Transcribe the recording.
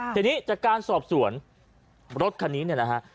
ทีนี้จากการสอบส่วนรถคันนี้นะครับ